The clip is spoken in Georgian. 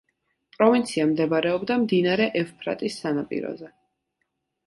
პროვინცია მდებარეობდა მდინარე ევფრატის სანაპიროზე.